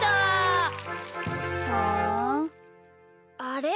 あれ？